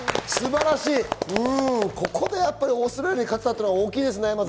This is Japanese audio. ここでやっぱりオーストラリアに勝てたのは大きいですね。